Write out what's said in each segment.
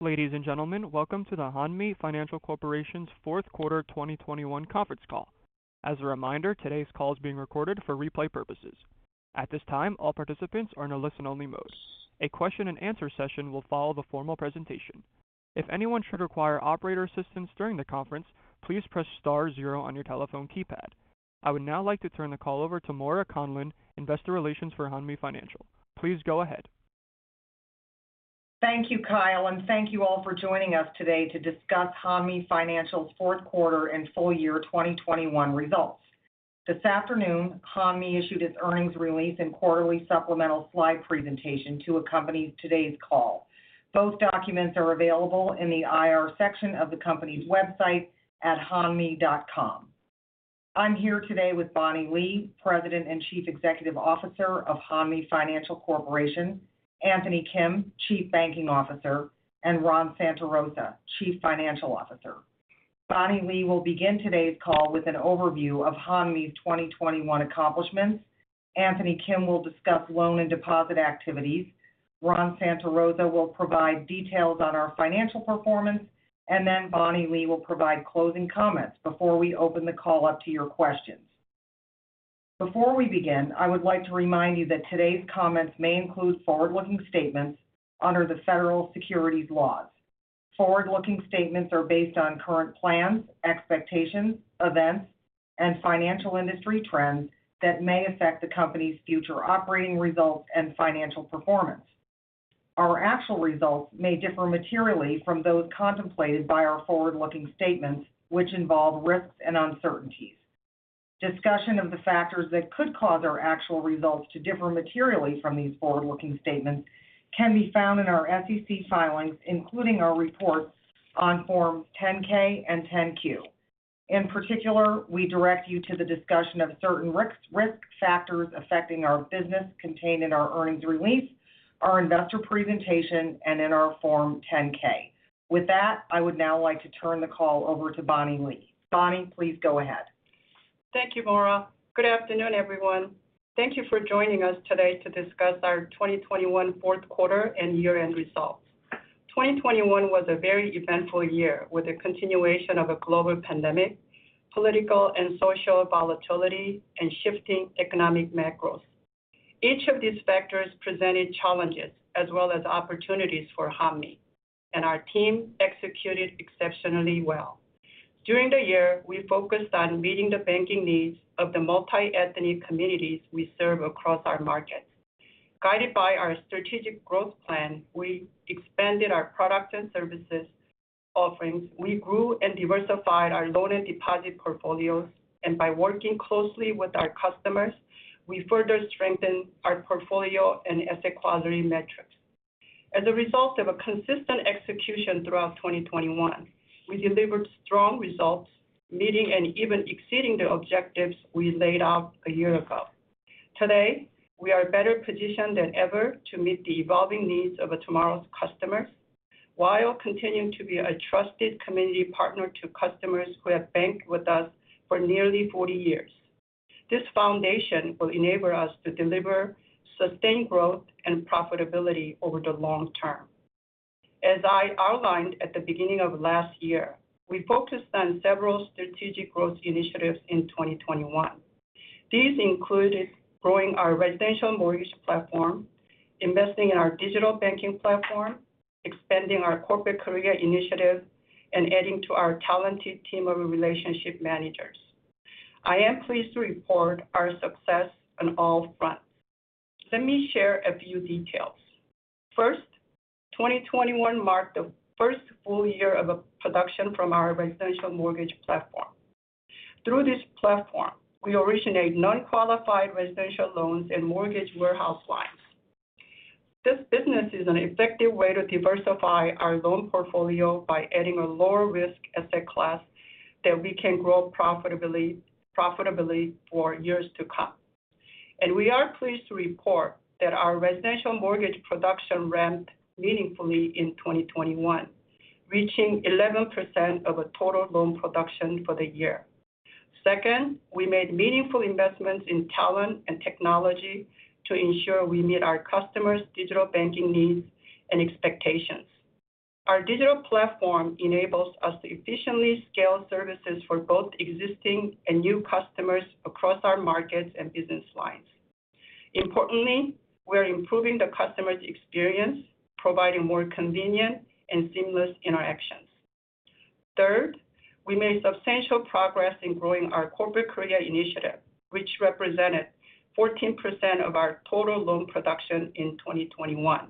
Ladies and gentlemen, welcome to the Hanmi Financial Corporation's fourth quarter 2021 conference call. As a reminder, today's call is being recorded for replay purposes. At this time, all participants are in a listen-only mode. A question and answer session will follow the formal presentation. If anyone should require operator assistance during the conference, please press star zero on your telephone keypad. I would now like to turn the call over to Moira Conlon, Investor Relations for Hanmi Financial. Please go ahead. Thank you, Kyle, and thank you all for joining us today to discuss Hanmi Financial's fourth quarter and full year 2021 results. This afternoon, Hanmi issued its earnings release and quarterly supplemental slide presentation to accompany today's call. Both documents are available in the IR section of the company's website at hanmi.com. I'm here today with Bonnie Lee, President and Chief Executive Officer of Hanmi Financial Corporation, Anthony Kim, Chief Banking Officer, and Ron Santarosa, Chief Financial Officer. Bonnie Lee will begin today's call with an overview of Hanmi's 2021 accomplishments. Anthony Kim will discuss loan and deposit activities. Ron Santarosa will provide details on our financial performance, and then Bonnie Lee will provide closing comments before we open the call up to your questions. Before we begin, I would like to remind you that today's comments may include forward-looking statements under the federal securities laws. Forward-looking statements are based on current plans, expectations, events, and financial industry trends that may affect the Company's future operating results and financial performance. Our actual results may differ materially from those contemplated by our forward-looking statements, which involve risks and uncertainties. Discussion of the factors that could cause our actual results to differ materially from these forward-looking statements can be found in our SEC filings, including our reports on Forms 10-K and 10-Q. In particular, we direct you to the discussion of certain risk factors affecting our business contained in our earnings release, our investor presentation, and in our Form 10-K. With that, I would now like to turn the call over to Bonnie Lee. Bonnie, please go ahead. Thank you, Moira. Good afternoon, everyone. Thank you for joining us today to discuss our 2021 fourth quarter and year-end results. 2021 was a very eventful year, with the continuation of a global pandemic, political and social volatility, and shifting economic macros. Each of these factors presented challenges as well as opportunities for Hanmi, and our team executed exceptionally well. During the year, we focused on meeting the banking needs of the multi-ethnic communities we serve across our markets. Guided by our strategic growth plan, we expanded our products and services offerings. We grew and diversified our loan and deposit portfolios. By working closely with our customers, we further strengthened our portfolio and asset quality metrics. As a result of a consistent execution throughout 2021, we delivered strong results, meeting and even exceeding the objectives we laid out a year ago. Today, we are better positioned than ever to meet the evolving needs of tomorrow's customers while continuing to be a trusted community partner to customers who have banked with us for nearly 40 years. This foundation will enable us to deliver sustained growth and profitability over the long term. As I outlined at the beginning of last year, we focused on several strategic growth initiatives in 2021. These included growing our residential mortgage platform, investing in our digital banking platform, expanding our Corporate Korea Initiative, and adding to our talented team of relationship managers. I am pleased to report our success on all fronts. Let me share a few details. First, 2021 marked the first full year of production from our residential mortgage platform. Through this platform, we originate non-qualified residential loans and mortgage warehouse lines. This business is an effective way to diversify our loan portfolio by adding a lower risk asset class that we can grow profitably for years to come. We are pleased to report that our residential mortgage production ramped meaningfully in 2021, reaching 11% of total loan production for the year. Second, we made meaningful investments in talent and technology to ensure we meet our customers' digital banking needs and expectations. Our digital platform enables us to efficiently scale services for both existing and new customers across our markets and business lines. Importantly, we're improving the customer's experience, providing more convenient and seamless interactions. Third, we made substantial progress in growing our Corporate Korea Initiative, which represented 14% of our total loan production in 2021.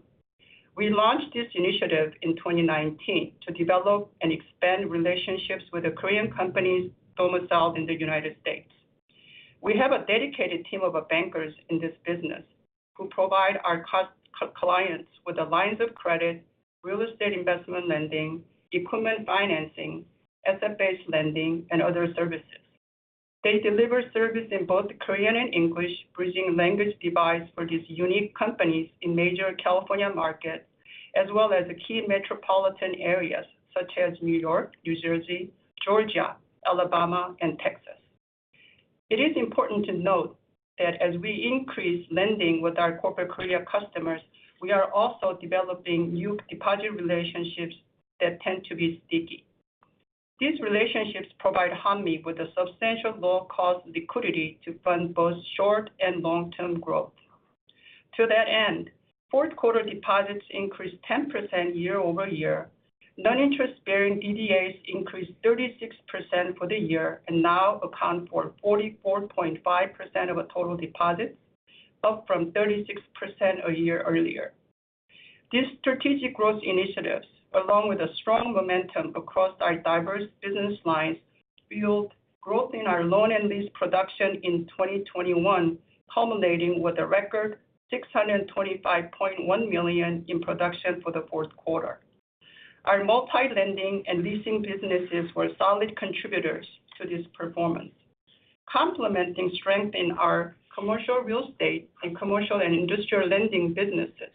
We launched this initiative in 2019 to develop and expand relationships with the Korean companies domiciled in the United States. We have a dedicated team of bankers in this business who provide our clients with the lines of credit, real estate investment lending, equipment financing, asset-based lending, and other services. They deliver service in both Korean and English, bridging language divides for these unique companies in major California markets, as well as key metropolitan areas such as New York, New Jersey, Georgia, Alabama, and Texas. It is important to note that as we increase lending with our corporate Korea customers, we are also developing new deposit relationships that tend to be sticky. These relationships provide Hanmi with a substantial low cost liquidity to fund both short and long-term growth. To that end, fourth quarter deposits increased 10% year-over-year. Non-interest bearing DDAs increased 36% for the year, and now account for 44.5% of our total deposits, up from 36% a year earlier. These strategic growth initiatives, along with a strong momentum across our diverse business lines, fueled growth in our loan and lease production in 2021, culminating with a record $625.1 million in production for the fourth quarter. Our multi-lending and leasing businesses were solid contributors to this performance, complementing strength in our commercial real estate and commercial and industrial lending businesses.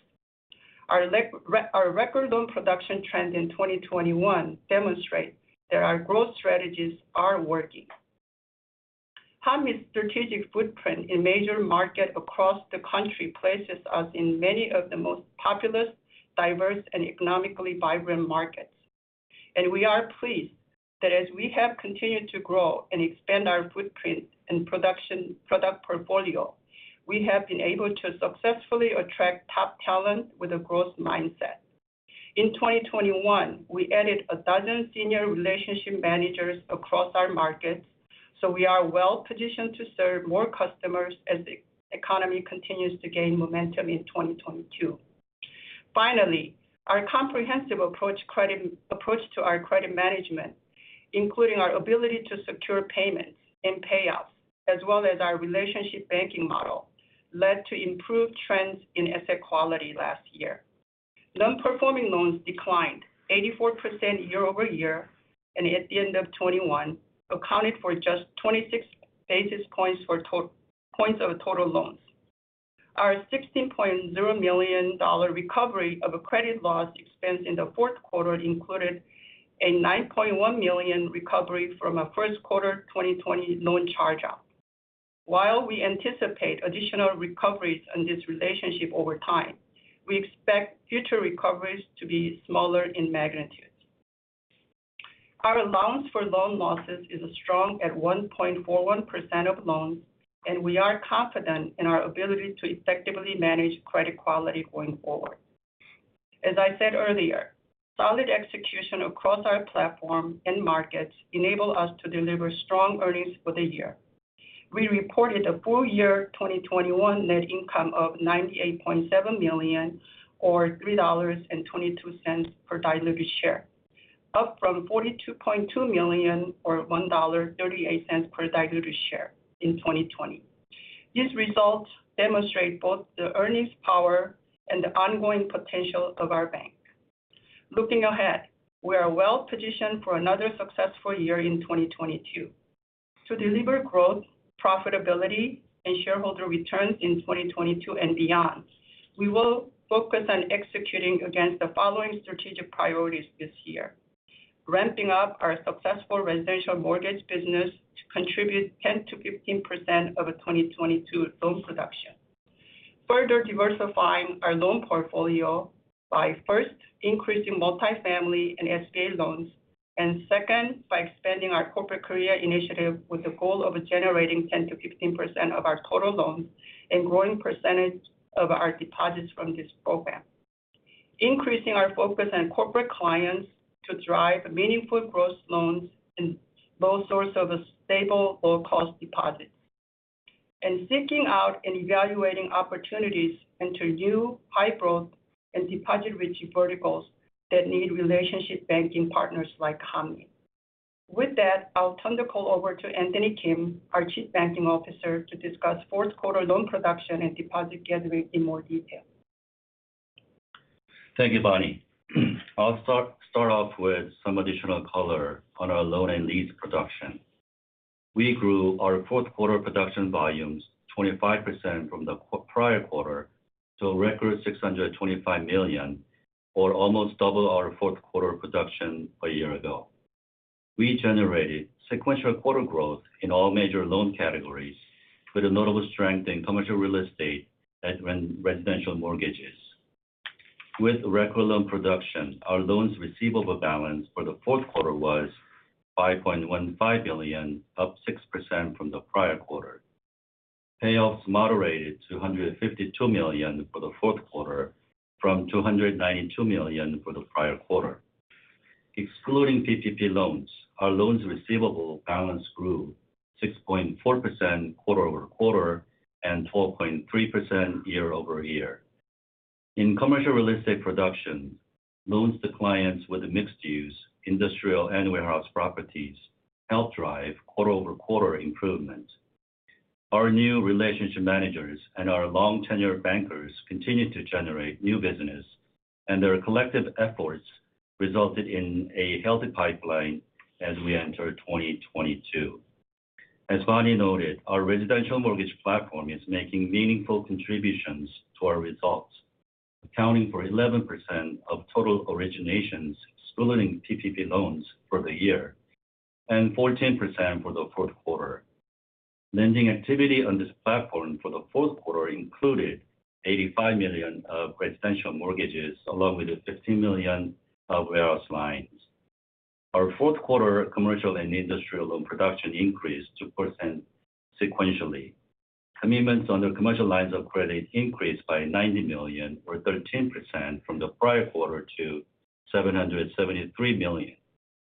Our record loan production trend in 2021 demonstrate that our growth strategies are working. Hanmi's strategic footprint in major markets across the country places us in many of the most populous, diverse and economically vibrant markets. We are pleased that as we have continued to grow and expand our footprint and production product portfolio, we have been able to successfully attract top talent with a growth mindset. In 2021, we added 12 senior relationship managers across our markets, so we are well-positioned to serve more customers as the economy continues to gain momentum in 2022. Our comprehensive approach to our credit management, including our ability to secure payments and payoffs, as well as our relationship banking model, led to improved trends in asset quality last year. Nonperforming loans declined 84% year-over-year, and at the end of 2021, accounted for just 26 basis points of total loans. Our $16.0 million recovery of a credit loss expense in the fourth quarter included a $9.1 million recovery from a first quarter 2020 loan charge-off. While we anticipate additional recoveries in this relationship over time, we expect future recoveries to be smaller in magnitude. Our allowance for loan losses is strong at 1.41% of loans, and we are confident in our ability to effectively manage credit quality going forward. As I said earlier, solid execution across our platform and markets enable us to deliver strong earnings for the year. We reported a full year 2021 net income of $98.7 million or $3.22 per diluted share, up from $42.2 million or $1.38 per diluted share in 2020. These results demonstrate both the earnings power and the ongoing potential of our bank. Looking ahead, we are well positioned for another successful year in 2022. To deliver growth, profitability, and shareholder returns in 2022 and beyond, we will focus on executing against the following strategic priorities this year. Ramping up our successful residential mortgage business to contribute 10%-15% of 2022 loan production. Further diversifying our loan portfolio by first increasing multifamily and SBA loans, and second, by expanding our Corporate Korea Initiative with the goal of generating 10%-15% of our total loans and a growing percentage of our deposits from this program. Increasing our focus on corporate clients to drive meaningful growth in loans and both a source of stable, low-cost deposits. Seeking out and evaluating opportunities in new high-growth and deposit-rich verticals that need relationship banking partners like Hanmi. With that, I'll turn the call over to Anthony Kim, our Chief Banking Officer, to discuss fourth quarter loan production and deposit gathering in more detail. Thank you, Bonnie. I'll start off with some additional color on our loan and lease production. We grew our fourth quarter production volumes 25% from the prior quarter to a record $625 million, or almost double our fourth quarter production a year ago. We generated sequential quarter growth in all major loan categories with a notable strength in commercial real estate and residential mortgages. With record loan production, our loans receivable balance for the fourth quarter was $5.15 billion, up 6% from the prior quarter. Payoffs moderated to $152 million for the fourth quarter from $292 million for the prior quarter. Excluding PPP loans, our loans receivable balance grew 6.4% quarter-over-quarter and 12.3% year-over-year. In commercial real estate production, loans to clients with a mixed use, industrial and warehouse properties helped drive quarter-over-quarter improvement. Our new relationship managers and our long tenured bankers continued to generate new business, and their collective efforts resulted in a healthy pipeline as we enter 2022. As Bonnie noted, our residential mortgage platform is making meaningful contributions to our results. Accounting for 11% of total originations excluding PPP loans for the year, and 14% for the fourth quarter. Lending activity on this platform for the fourth quarter included $85 million of residential mortgages, along with $50 million of warehouse lines. Our fourth quarter commercial and industrial loan production increased 2% sequentially. Commitments under commercial lines of credit increased by $90 million or 13% from the prior quarter to $773 million.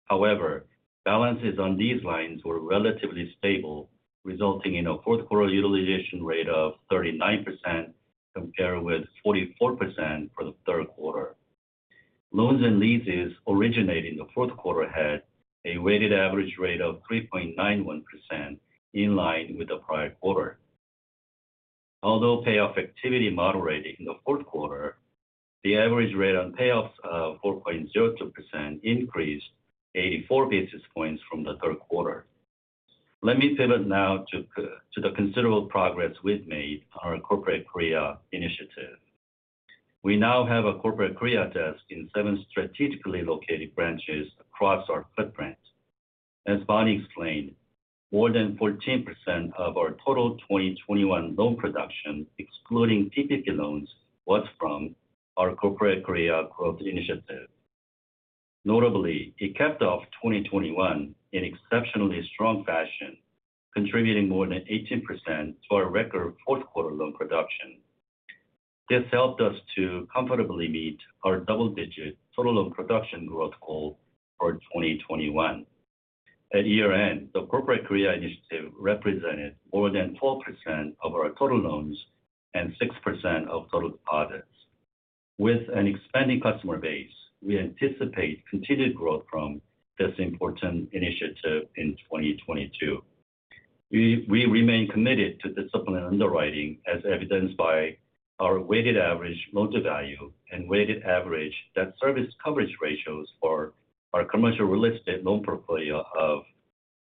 However, balances on these lines were relatively stable, resulting in a fourth quarter utilization rate of 39% compared with 44% for the third quarter. Loans and leases originated in the fourth quarter had a weighted average rate of 3.91% in line with the prior quarter. Although payoff activity moderated in the fourth quarter, the average rate on payoffs of 4.02% increased 84 basis points from the third quarter. Let me pivot now to the considerable progress we've made on our Corporate Korea Initiative. We now have a corporate Korea desk in seven strategically located branches across our footprint. As Bonnie explained, more than 14% of our total 2021 loan production, excluding PPP loans, was from our corporate Korea growth initiative. Notably, it capped off 2021 in exceptionally strong fashion, contributing more than 18% to our record fourth quarter loan production. This helped us to comfortably meet our double-digit total loan production growth goal for 2021. At year-end, the Corporate Korea Initiative represented more than 12% of our total loans and 6% of total deposits. With an expanding customer base, we anticipate continued growth from this important initiative in 2022. We remain committed to disciplined underwriting as evidenced by our weighted average loan to value and weighted average debt service coverage ratios for our commercial real estate loan portfolio of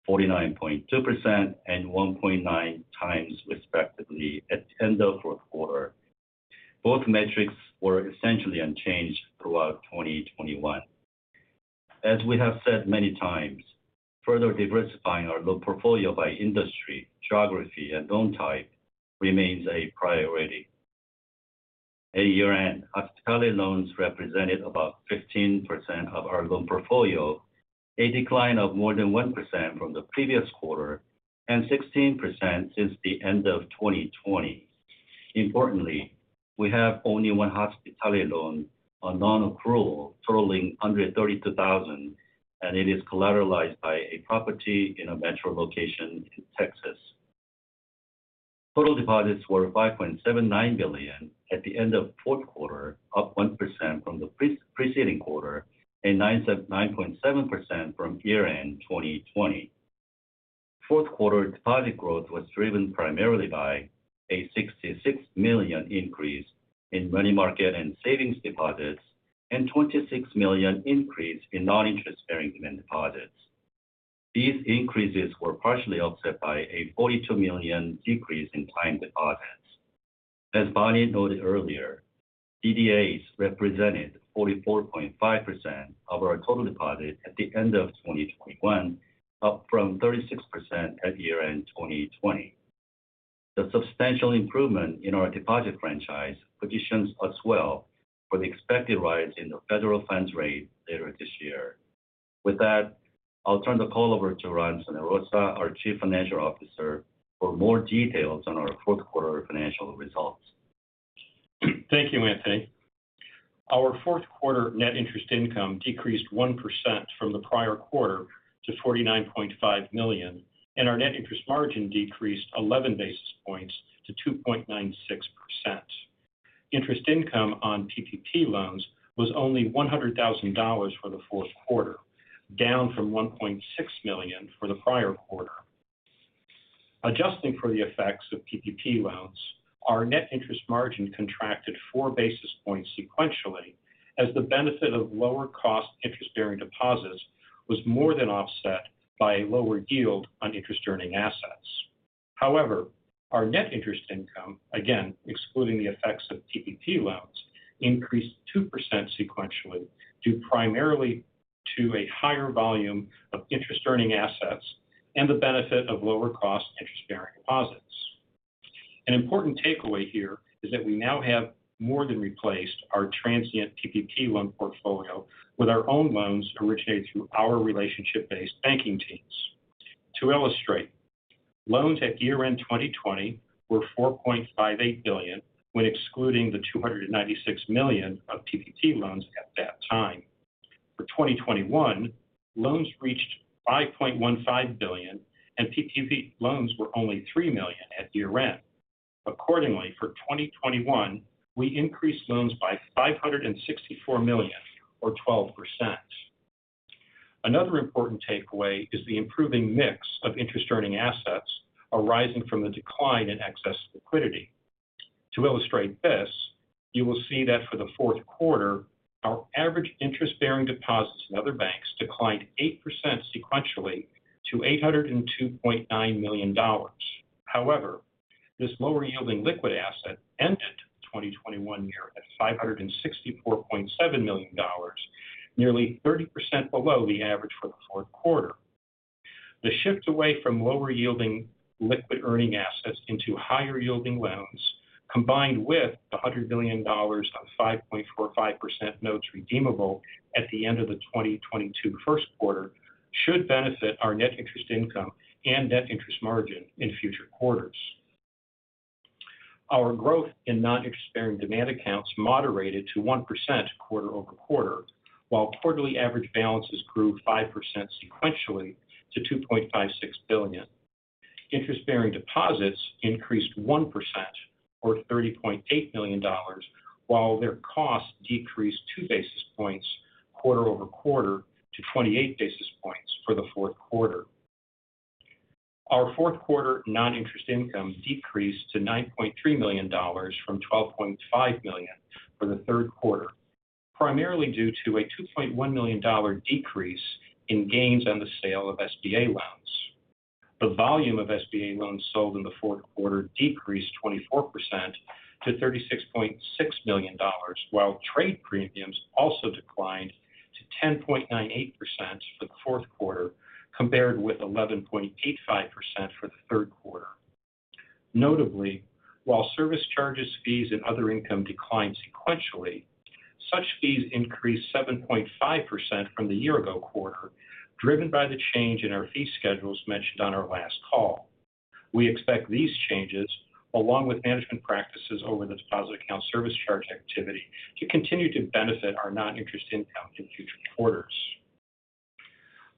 49.2% and 1.9x respectively at end of fourth quarter. Both metrics were essentially unchanged throughout 2021. As we have said many times, further diversifying our loan portfolio by industry, geography and loan type remains a priority. At year-end, hospitality loans represented about 15% of our loan portfolio, a decline of more than 1% from the previous quarter and 16% since the end of 2020. Importantly, we have only one hospitality loan on non-accrual totaling under $32,000, and it is collateralized by a property in a metro location in Texas. Total deposits were $5.79 billion at the end of fourth quarter, up 1% from the preceding quarter and 9.7% from year-end 2020. Fourth quarter deposit growth was driven primarily by a $66 million increase in money market and savings deposits and $26 million increase in non-interest bearing demand deposits. These increases were partially offset by a $42 million decrease in time deposits. As Bonnie noted earlier, DDAs represented 44.5% of our total deposits at the end of 2021, up from 36% at year-end 2020. The substantial improvement in our deposit franchise positions us well for the expected rise in the federal funds rate later this year. With that, I'll turn the call over to Ron Santarosa, our Chief Financial Officer, for more details on our fourth quarter financial results. Thank you, Anthony. Our fourth quarter net interest income decreased 1% from the prior quarter to $49.5 million, and our net interest margin decreased 11 basis points to 2.96%. Interest income on PPP loans was only $100,000 for the fourth quarter, down from $1.6 million for the prior quarter. Adjusting for the effects of PPP loans, our net interest margin contracted 4 basis points sequentially as the benefit of lower cost interest-bearing deposits was more than offset by lower yield on interest-earning assets. However, our net interest income, again excluding the effects of PPP loans, increased 2% sequentially due primarily to a higher volume of interest-earning assets and the benefit of lower cost interest-bearing deposits. An important takeaway here is that we now have more than replaced our transient PPP loan portfolio with our own loans originated through our relationship-based banking teams. To illustrate, loans at year-end 2020 were $4.58 billion when excluding the $296 million of PPP loans at that time. For 2021, loans reached $5.15 billion and PPP loans were only $3 million at year-end. Accordingly, for 2021, we increased loans by $564 million or 12%. Another important takeaway is the improving mix of interest-earning assets arising from the decline in excess liquidity. To illustrate this, you will see that for the fourth quarter, our average interest-bearing deposits in other banks declined 8% sequentially to $802.9 million. However, this lower-yielding liquid asset ended the 2021 year at $564.7 million, nearly 30% below the average for the fourth quarter. The shift away from lower-yielding liquid earning assets into higher-yielding loans, combined with the $100 million on 5.45% notes redeemable at the end of the 2022 first quarter, should benefit our net interest income and net interest margin in future quarters. Our growth in non-interest-bearing demand accounts moderated to 1% quarter-over-quarter, while quarterly average balances grew 5% sequentially to $2.56 billion. Interest-bearing deposits increased 1% or $30.8 million, while their cost decreased 2 basis points quarter-over-quarter to 28 basis points for the fourth quarter. Our fourth quarter non-interest income decreased to $9.3 million from $12.5 million for the third quarter, primarily due to a $2.1 million dollar decrease in gains on the sale of SBA loans. The volume of SBA loans sold in the fourth quarter decreased 24% to $36.6 million while trade premiums also declined to 10.98% for the fourth quarter compared with 11.85% for the third quarter. Notably, while service charges, fees, and other income declined sequentially, such fees increased 7.5% from the year-ago quarter, driven by the change in our fee schedules mentioned on our last call. We expect these changes, along with management practices over the deposit account service charge activity, to continue to benefit our non-interest income in future quarters.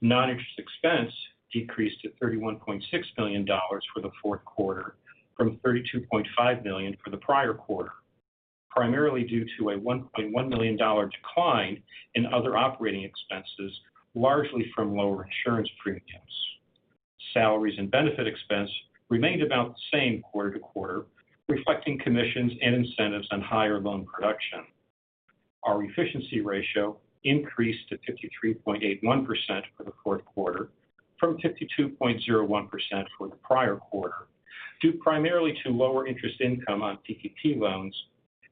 Non-interest expense decreased to $31.6 million for the fourth quarter from $32.5 million for the prior quarter, primarily due to a $1.1 million decline in other operating expenses, largely from lower insurance premiums. Salaries and benefit expense remained about the same quarter to quarter, reflecting commissions and incentives on higher loan production. Our efficiency ratio increased to 53.81% for the fourth quarter from 52.01% for the prior quarter, due primarily to lower interest income on PPP loans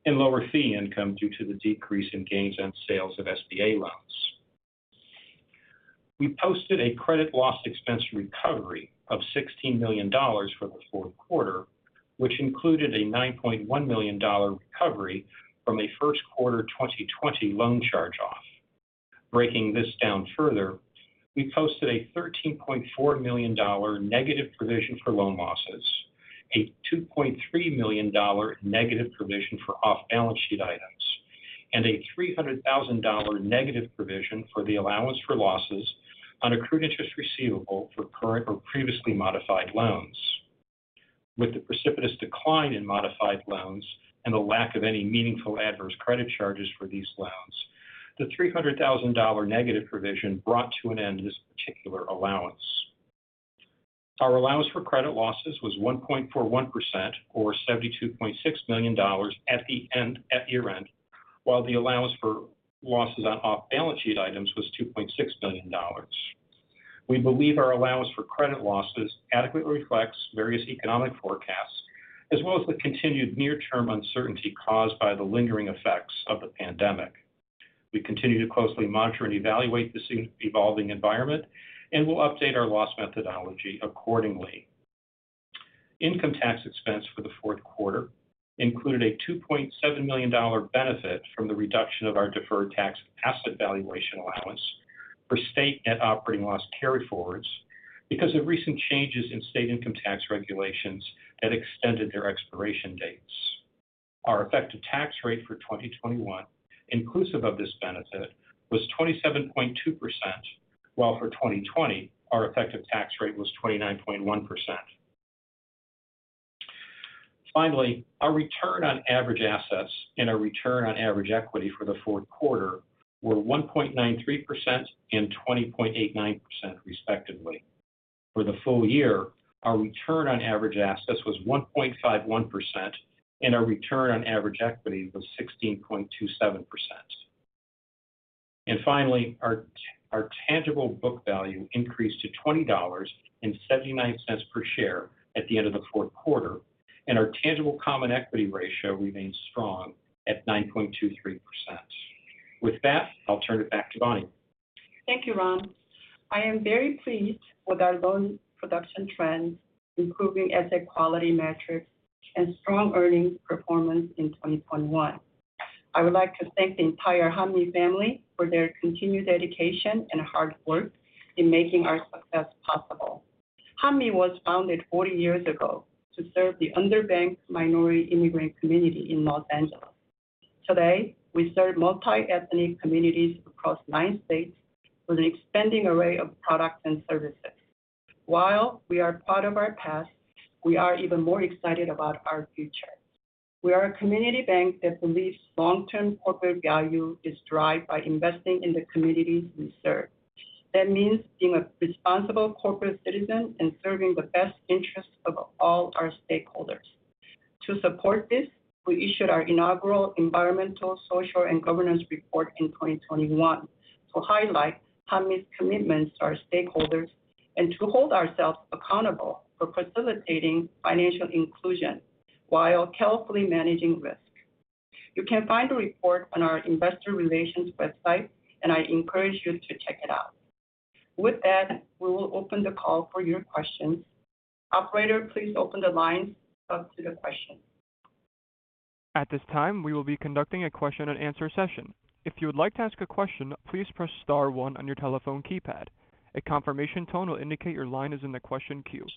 and lower fee income due to the decrease in gains on sales of SBA loans. We posted a credit loss expense recovery of $16 million for the fourth quarter, which included a $9.1 million recovery from a first quarter 2020 loan charge-off. Breaking this down further, we posted a $13.4 million negative provision for loan losses, a $2.3 million negative provision for off-balance sheet items, and a $300,000 negative provision for the allowance for losses on accrued interest receivable for current or previously modified loans. With the precipitous decline in modified loans and the lack of any meaningful adverse credit charges for these loans, the $300,000 negative provision brought to an end this particular allowance. Our allowance for credit losses was 1.41% or $72.6 million at year-end, while the allowance for losses on off-balance sheet items was $2.6 billion. We believe our allowance for credit losses adequately reflects various economic forecasts as well as the continued near term uncertainty caused by the lingering effects of the pandemic. We continue to closely monitor and evaluate this evolving environment, and we'll update our loss methodology accordingly. Income tax expense for the fourth quarter included a $2.7 million benefit from the reduction of our deferred tax asset valuation allowance for state net operating loss carryforwards because of recent changes in state income tax regulations that extended their expiration dates. Our effective tax rate for 2021, inclusive of this benefit, was 27.2%, while for 2020, our effective tax rate was 29.1%. Finally, our return on average assets and our return on average equity for the fourth quarter were 1.93% and 20.89%, respectively. For the full year, our return on average assets was 1.51%, and our return on average equity was 16.27%. Finally, our tangible book value increased to $20.79 per share at the end of the fourth quarter, and our tangible common equity ratio remains strong at 9.23%. With that, I'll turn it back to Bonnie. Thank you, Ron. I am very pleased with our loan production trends, improving asset quality metrics, and strong earnings performance in 2021. I would like to thank the entire Hanmi family for their continued dedication and hard work in making our success possible. Hanmi was founded 40 years ago to serve the underbanked minority immigrant community in Los Angeles. Today, we serve multiethnic communities across 9 states with an expanding array of products and services. While we are proud of our past, we are even more excited about our future. We are a community bank that believes long-term corporate value is derived by investing in the communities we serve. That means being a responsible corporate citizen and serving the best interests of all our stakeholders. To support this, we issued our inaugural environmental, social, and governance report in 2021 to highlight how these commitments to our stakeholders and to hold ourselves accountable for facilitating financial inclusion while carefully managing risk. You can find the report on our investor relations website, and I encourage you to check it out. With that, we will open the call for your questions. Operator, please open the lines up to the questions. At this time, we will be conducting a question and answer session. If you would like to ask a question, please press star one on your telephone keypad. A confirmation tone will indicate your line is in the question queue.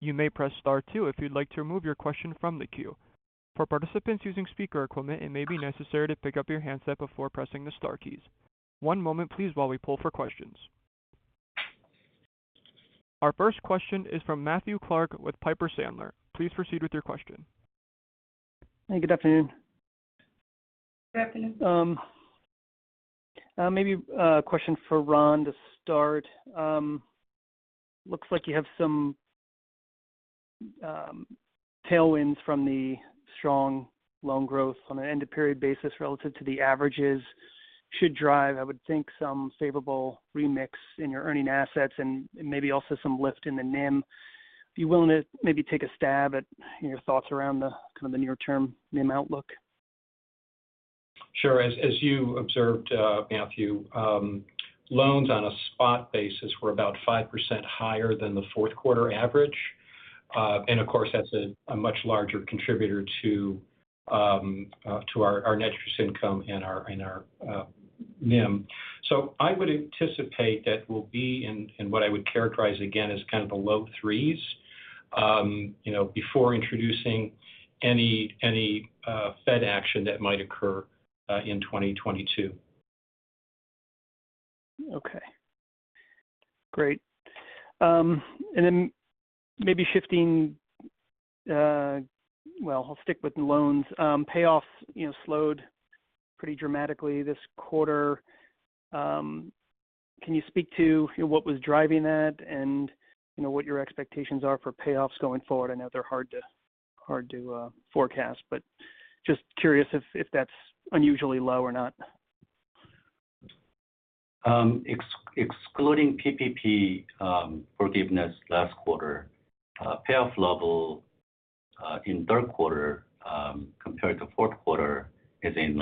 You may press star two if you'd like to remove your question from the queue. For participants using speaker equipment, it may be necessary to pick up your handset before pressing the star keys. One moment please while we pull for questions. Our first question is from Matthew Clark with Piper Sandler. Please proceed with your question. Hey, good afternoon. Good afternoon. Maybe a question for Ron to start. Looks like you have some tailwinds from the strong loan growth on an end of period basis relative to the averages should drive, I would think, some favorable remix in your earning assets and maybe also some lift in the NIM. If you're willing to maybe take a stab at your thoughts around the kind of the near-term NIM outlook. Sure. As you observed, Matthew, loans on a spot basis were about 5% higher than the fourth quarter average. Of course, that's a much larger contributor to our net interest income and our NIM. I would anticipate that we'll be in what I would characterize again as kind of the low threes, you know, before introducing any Fed action that might occur in 2022. Okay. Great. Well, I'll stick with the loans. Payoffs, you know, slowed pretty dramatically this quarter. Can you speak to what was driving that and, you know, what your expectations are for payoffs going forward? I know they're hard to forecast, but just curious if that's unusually low or not. Excluding PPP forgiveness last quarter, payoff level in third quarter compared to fourth quarter is in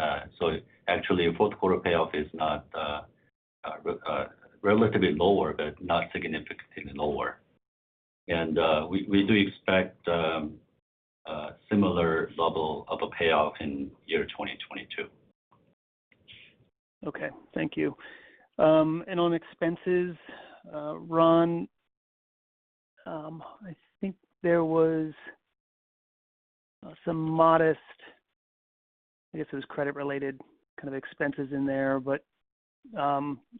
line. Actually, fourth quarter payoff is not relatively lower, but not significantly lower. We do expect similar level of a payoff in year 2022. Okay. Thank you. On expenses, Ron, I think there was some modest, I guess it was credit-related kind of expenses in there, but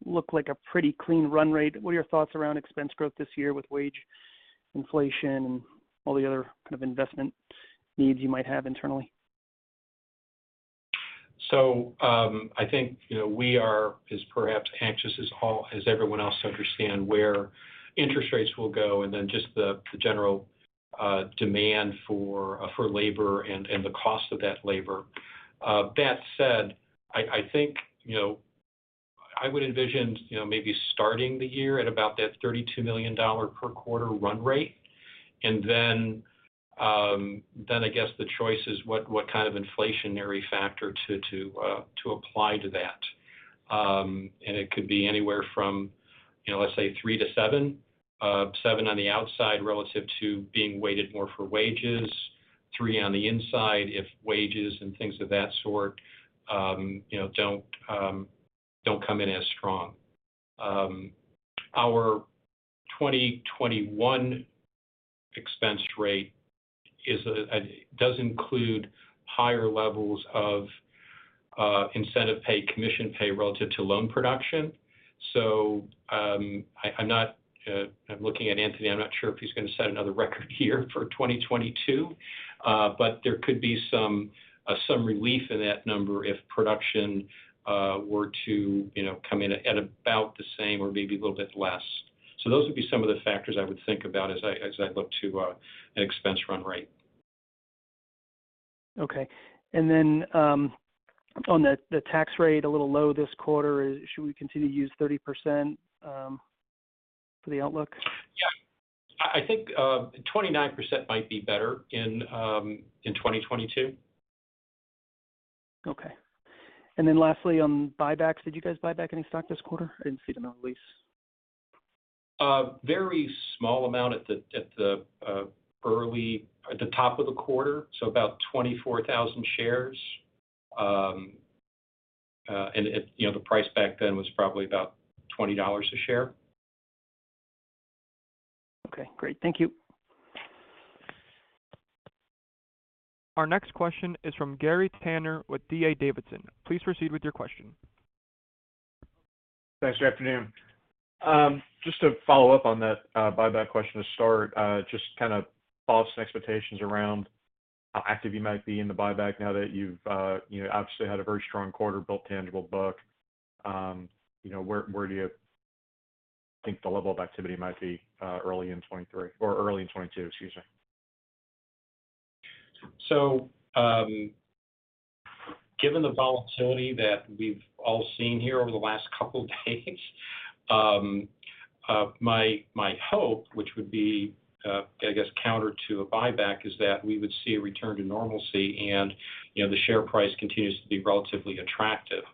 looked like a pretty clean run rate. What are your thoughts around expense growth this year with wage inflation and all the other kind of investment needs you might have internally? I think, you know, we are as perhaps anxious as everyone else to understand where interest rates will go and then just the general demand for labor and the cost of that labor. That said, I think, you know, I would envision, you know, maybe starting the year at about that $32 million per quarter run rate. Then I guess the choice is what kind of inflationary factor to apply to that. It could be anywhere from, you know, let's say 3%-7%. 7% on the outside relative to being weighted more for wages, 3% on the inside if wages and things of that sort, you know, don't come in as strong. Our 2021 expense rate does include higher levels of incentive pay, commission pay relative to loan production. I'm looking at Anthony, I'm not sure if he's gonna set another record here for 2022. There could be some relief in that number if production were to, you know, come in at about the same or maybe a little bit less. Those would be some of the factors I would think about as I look to an expense run rate. Okay. On the tax rate, a little low this quarter. Should we continue to use 30% for the outlook? Yeah. I think 29% might be better in 2022. Okay. Lastly, on buybacks, did you guys buy back any stock this quarter? I didn't see them on the release. A very small amount at the top of the quarter, so about 24,000 shares. You know, the price back then was probably about $20 a share. Okay, great. Thank you. Our next question is from Gary Tenner with D.A. Davidson. Please proceed with your question. Thanks. Good afternoon. Just to follow up on that, buyback question to start, just kind of follow up on some expectations around how active you might be in the buyback now that you've, you know, obviously had a very strong quarter, built tangible book. You know, where do you think the level of activity might be early in 2023 or early in 2022, excuse me. Given the volatility that we've all seen here over the last couple days, my hope, which would be, I guess counter to a buyback, is that we would see a return to normalcy and, you know, the share price continues to be relatively attractive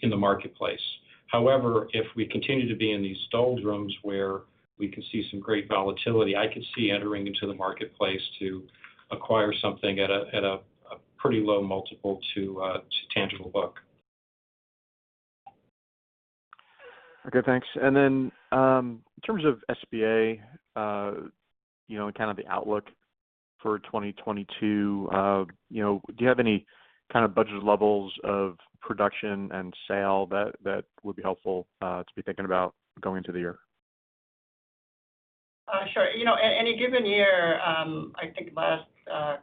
in the marketplace. However, if we continue to be in these doldrums where we can see some great volatility, I could see entering into the marketplace to acquire something at a pretty low multiple to tangible book. Okay, thanks. In terms of SBA, you know, and kind of the outlook for 2022, you know, do you have any kind of budget levels of production and sale that would be helpful to be thinking about going into the year? Sure. You know, at any given year, I think last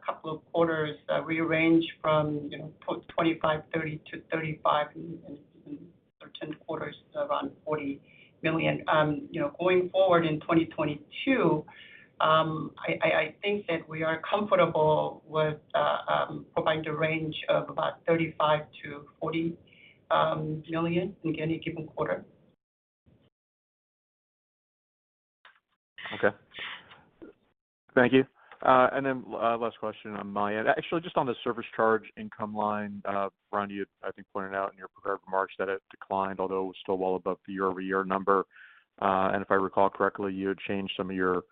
couple of quarters, we arrange from, you know, $25 million-$30 million to $35 million and certain quarters around $40 million. You know, going forward in 2022, I think that we are comfortable with providing a range of about $35 million-$40 million in any given quarter. Okay. Thank you. Last question on my end. Actually, just on the service charge income line. Ron, you I think pointed out in your prepared remarks that it declined, although it was still well above the year-over-year number. If I recall correctly, you had changed some of your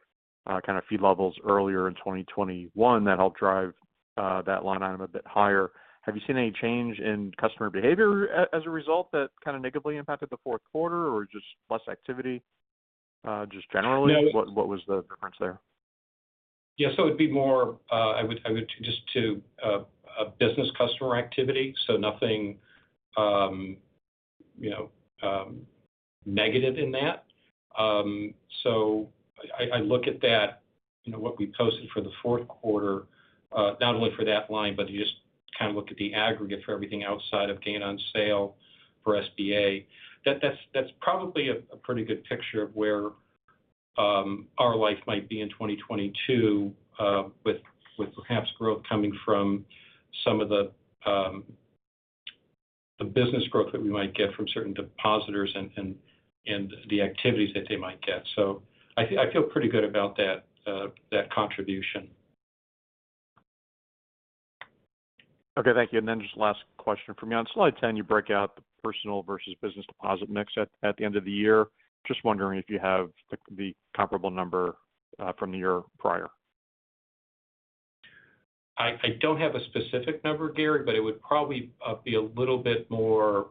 kind of fee levels earlier in 2021 that helped drive that line item a bit higher. Have you seen any change in customer behavior as a result that kind of negatively impacted the fourth quarter or just less activity just generally? No. What was the difference there? Yes, it'd be more to business customer activity. Nothing, you know, negative in that. I look at that, you know, what we posted for the fourth quarter, not only for that line, but you just kind of look at the aggregate for everything outside of gain on sale for SBA. That's probably a pretty good picture of where our line might be in 2022, with perhaps growth coming from some of the business growth that we might get from certain depositors and the activities that they might get. I feel pretty good about that contribution. Okay, thank you. Then just last question for me. On slide 10, you break out the personal versus business deposit mix at the end of the year. Just wondering if you have the comparable number from the year prior. I don't have a specific number, Gary, but it would probably be a little bit more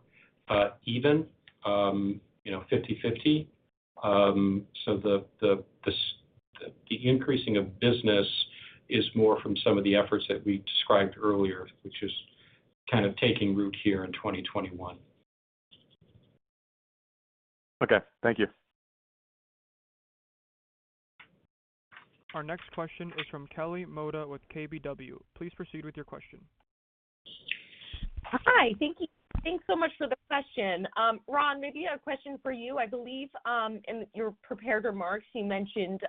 even, you know, 50/50. The increasing of business is more from some of the efforts that we described earlier, which is kind of taking root here in 2021. Okay, thank you. Our next question is from Kelly Motta with KBW. Please proceed with your question. Hi. Thank you. Thanks so much for the question. Ron, maybe a question for you. I believe in your prepared remarks you mentioned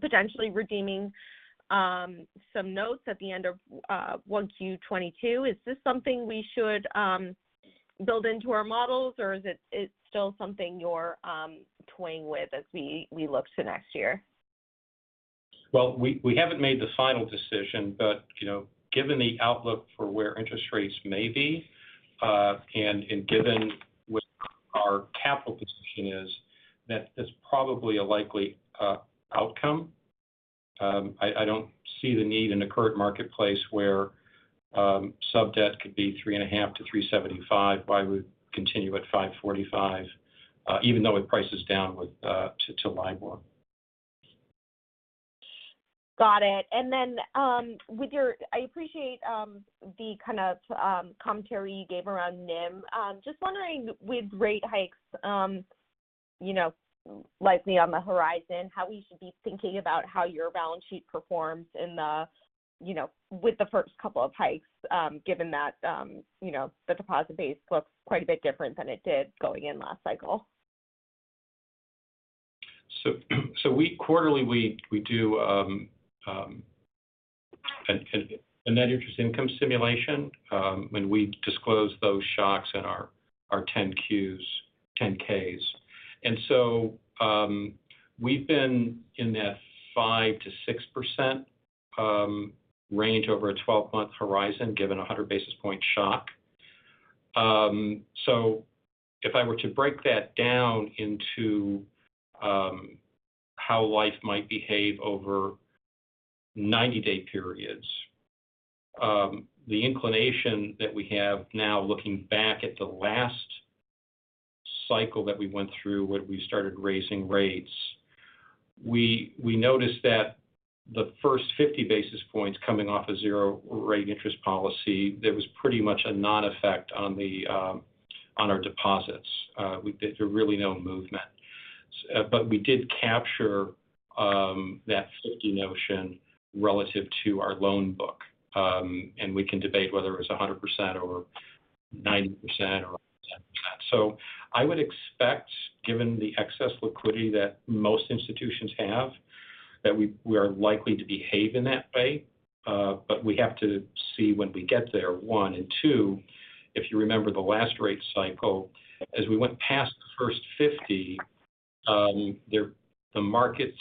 potentially redeeming some notes at the end of 1Q 2022. Is this something we should build into our models or is it still something you're toying with as we look to next year? We haven't made the final decision, but you know, given the outlook for where interest rates may be, and given what our capital position is, that is probably a likely outcome. I don't see the need in the current marketplace where subdebt could be 3.5-3.75. Why we continue at 5.45, even though it prices down with to LIBOR. Got it. I appreciate the kind of commentary you gave around NIM. Just wondering with rate hikes, you know, likely on the horizon, how we should be thinking about how your balance sheet performs in the, you know, with the first couple of hikes, given that, you know, the deposit base looks quite a bit different than it did going in last cycle. Quarterly we do a net interest income simulation when we disclose those shocks in our 10-Qs, 10-Ks. We've been in that 5%-6% range over a 12-month horizon, given a 100 basis point shock. If I were to break that down into how liabilities might behave over 90-day periods, the inclination that we have now looking back at the last cycle that we went through when we started raising rates, we noticed that the first 50 basis points coming off a zero interest rate policy, there was pretty much no effect on our deposits. There were really no movement. We did capture that safety notion relative to our loan book. We can debate whether it was 100% or 90%. I would expect, given the excess liquidity that most institutions have, that we are likely to behave in that way. We have to see when we get there, one. Two, if you remember the last rate cycle, as we went past the first 50, the markets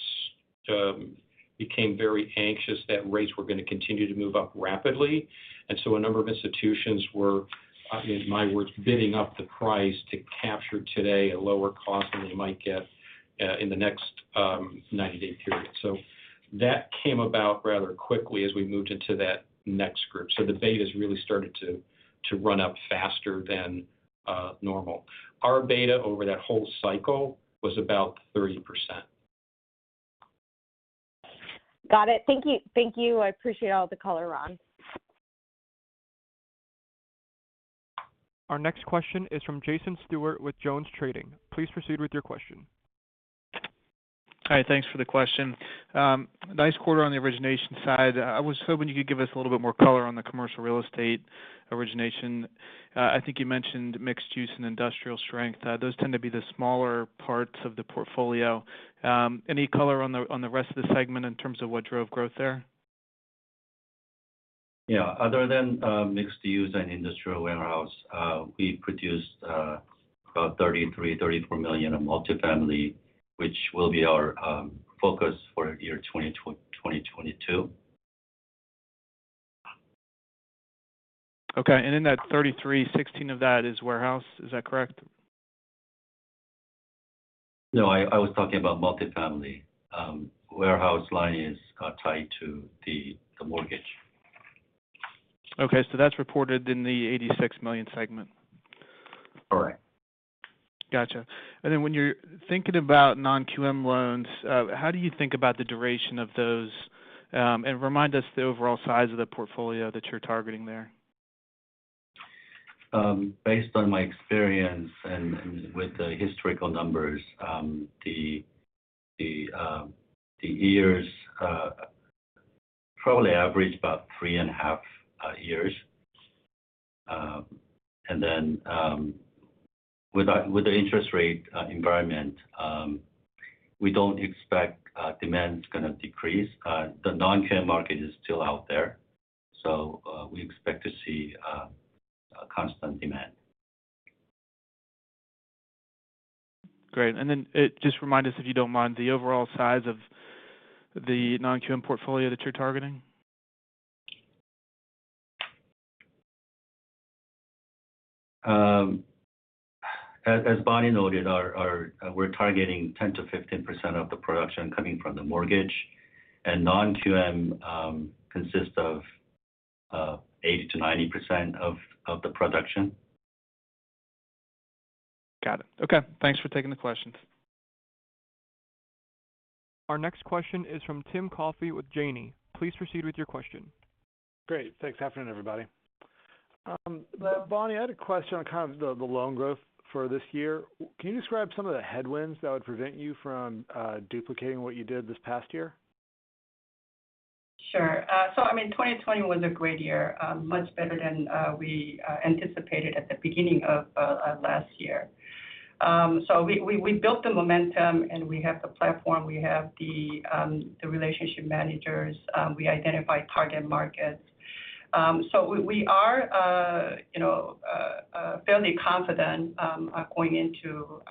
became very anxious that rates were gonna continue to move up rapidly. A number of institutions were, in my words, bidding up the price to capture today a lower cost than they might get in the next 90-day period. That came about rather quickly as we moved into that next group. The betas really started to run up faster than normal. Our beta over that whole cycle was about 30%. Got it. Thank you. Thank you. I appreciate all the color, Ron. Our next question is from Jason Stewart with JonesTrading. Please proceed with your question. Hi, thanks for the question. Nice quarter on the origination side. I was hoping you could give us a little bit more color on the commercial real estate origination. I think you mentioned mixed use and industrial strength. Those tend to be the smaller parts of the portfolio. Any color on the rest of the segment in terms of what drove growth there? Yeah. Other than mixed use and industrial warehouse, we produced about $33 million-$34 million in multifamily, which will be our focus for the year 2022. Okay. In that 33, 16 of that is warehouse. Is that correct? No, I was talking about multifamily. Warehouse line is tied to the mortgage. Okay. That's reported in the $86 million segment. Correct. Gotcha. Then when you're thinking about non-QM loans, how do you think about the duration of those, and remind us the overall size of the portfolio that you're targeting there? Based on my experience and with the historical numbers, the years probably average about 3.5 years. With the interest rate environment, we don't expect demand is gonna decrease. The non-QM market is still out there. We expect to see a constant demand. Great. Just remind us, if you don't mind, the overall size of the non-QM portfolio that you're targeting? As Bonnie noted, we're targeting 10%-15% of the production coming from the mortgage. non-QM consists of 80%-90% of the production. Got it. Okay. Thanks for taking the questions. Our next question is from Tim Coffey with Janney. Please proceed with your question. Great. Thanks. Afternoon, everybody. Bonnie, I had a question on kind of the loan growth for this year. Can you describe some of the headwinds that would prevent you from duplicating what you did this past year? Sure. I mean, 2020 was a great year, much better than we anticipated at the beginning of last year. We built the momentum, and we have the platform, we have the relationship managers, we identified target markets. We are you know fairly confident going into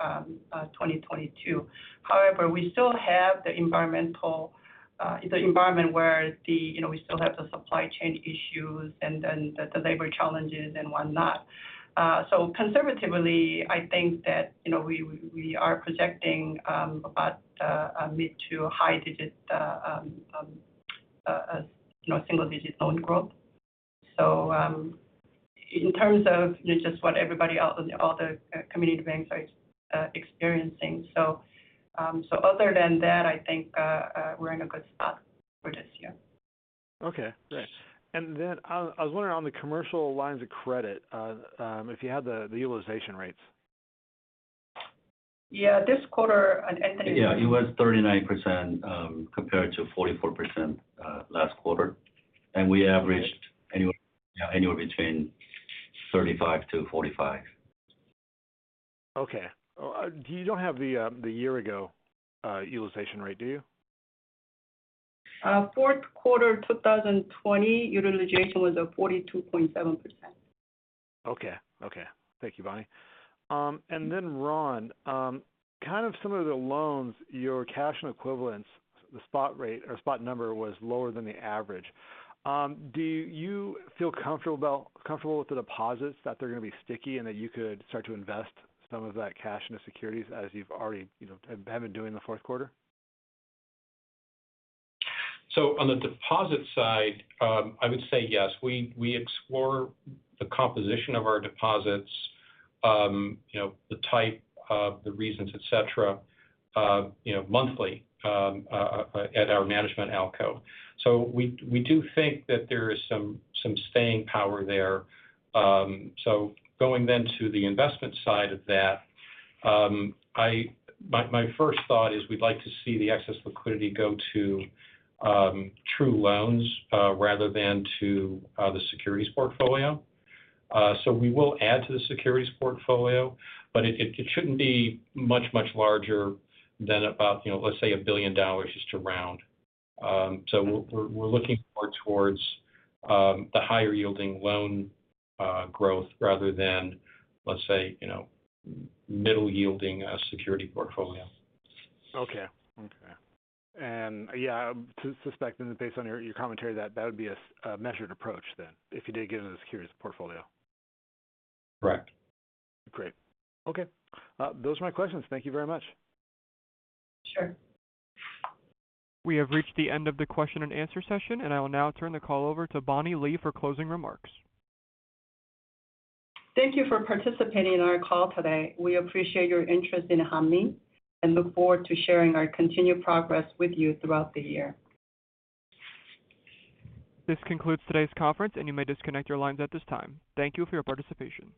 2022. However, we still have the environment where you know we still have the supply chain issues and then the labor challenges and whatnot. Conservatively, I think that you know we are projecting about a mid- to high-single-digit loan growth. In terms of just what everybody else, all the community banks are experiencing. other than that, I think, we're in a good spot for this year. Okay, great. I was wondering on the commercial lines of credit if you had the utilization rates? Yeah. This quarter- It was 39%, compared to 44% last quarter. We averaged anywhere between 35%-45%. Okay. You don't have the year ago utilization rate, do you? Fourth quarter 2020 utilization was at 42.7%. Okay. Thank you, Bonnie. Ron, kind of similar to loans, your cash and equivalents, the spot rate or spot number was lower than the average. Do you feel comfortable with the deposits, that they're gonna be sticky, and that you could start to invest some of that cash into securities as you've already, you know, have been doing in the fourth quarter? On the deposit side, I would say yes. We explore the composition of our deposits, you know, the type, the reasons, et cetera, you know, monthly, at our management ALCO. We do think that there is some staying power there. Going then to the investment side of that, my first thought is we'd like to see the excess liquidity go to true loans, rather than to the securities portfolio. We will add to the securities portfolio, but it shouldn't be much larger than about, you know, let's say $1 billion just to round. We're looking more towards the higher yielding loan growth rather than, let's say, you know, middle yielding securities portfolio. Okay. Yeah, to suspect and based on your commentary that would be a measured approach then if you did get into the securities portfolio. Correct. Great. Okay. Those are my questions. Thank you very much. Sure. We have reached the end of the question and answer session, and I will now turn the call over to Bonnie Lee for closing remarks. Thank you for participating in our call today. We appreciate your interest in Hanmi and look forward to sharing our continued progress with you throughout the year. This concludes today's conference, and you may disconnect your lines at this time. Thank you for your participation.